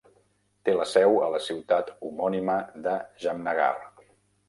Té la seu a la ciutat homònima de Jamnagar.